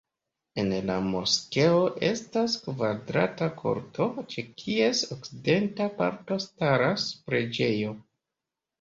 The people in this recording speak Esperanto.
En la moskeo estas kvadrata korto, ĉe kies okcidenta parto staras preĝejo.